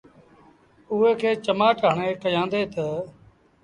اُئي کي چمآٽ هڻي ڪهيآندي تا